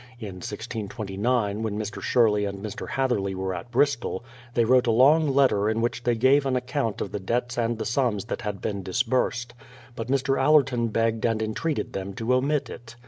In 1629, when Mr. Sherley and Mr. Hatherley were at Bristol, they wrote a long letter in which they gave an account of the debts and the sums that had been disbursed; but Mr. Allerton begged and entreated them to omit it.